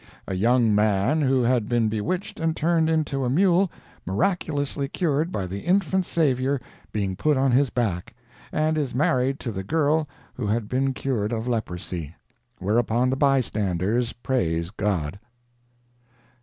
"A young man who had been bewitched and turned into a mule, miraculously cured by the infant Savior being put on his back, and is married to the girl who had been cured of leprosy. Whereupon the bystanders praise God."